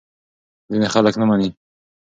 ځینې خلک نه مني.